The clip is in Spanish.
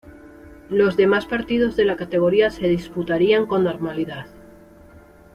Los demás partidos de la categoría se disputarían con normalidad.